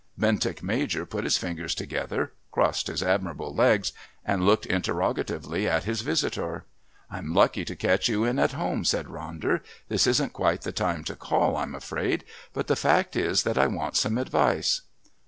Bentinck Major put his fingers together, crossed his admirable legs, and looked interrogatively at his visitor. "I'm lucky to catch you at home," said Ronder. "This isn't quite the time to call, I'm afraid. But the fact is that I want some advice."